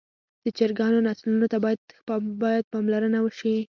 د چرګانو نسلونو ته باید پاملرنه وشي.